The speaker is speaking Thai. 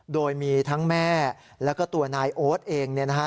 โดยมีทั้งแม่แล้วก็ตัวนายโอ๊ตเอง